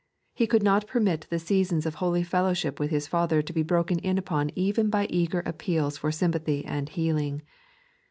He could not permit the seasons of holy fellowship with His Father to be broken in upon even by eager appeals for sympathy and healing.